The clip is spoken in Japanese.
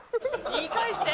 言い返して！